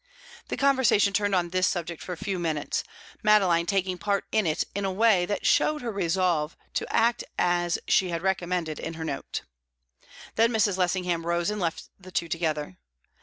The conversation turned on this subject for a few minutes, Madeline taking part in it in a way that showed her resolve to act as she had recommended in her note. Then Mrs. Lessingham rose and left the two together.